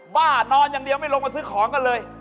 บ้านอนอย่างเดียวไม่ลงมาซื้อของกันเลย